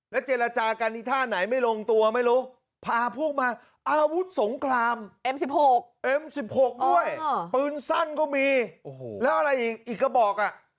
ปืนสั้นก็มีแล้วอะไรอีกอีกก็บอก